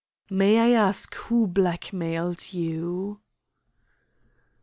"May I ask who blackmailed you?"